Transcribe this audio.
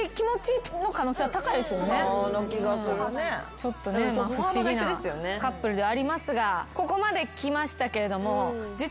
ちょっとね不思議なカップルではありますがここまできましたけれども。